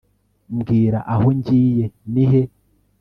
mbwira aho ngiye (nihe?